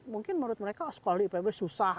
mungkin menurut mereka sekolah di ipb susah